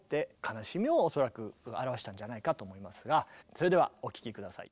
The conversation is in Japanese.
それではお聴き下さい。